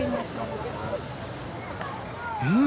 うん！